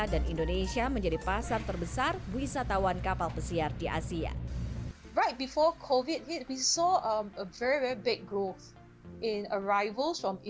dan indonesia menjadi pasar terbesar wisatawan kapal pesiar di asia